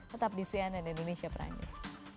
tetap di cnn indonesia prime news